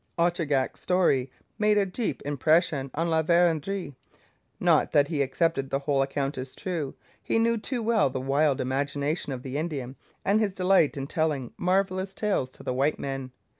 Ochagach's story made a deep impression on La Vérendrye. Not that he accepted the whole account as true. He knew too well the wild imagination of the Indian, and his delight in telling marvellous tales to the white men.